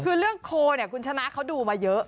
คือเรื่องโคเนี่ยคุณชนะเขาดูมาเยอะ